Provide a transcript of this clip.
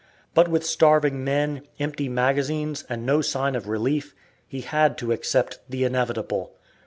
But with starving men, empty magazines, and no sign of relief, he had to accept the inevitable.